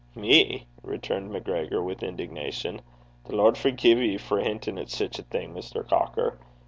'Me!' returned MacGregor, with indignation. 'The Lord forgie ye for mintin' (hinting) at sic a thing, Mr. Cocker!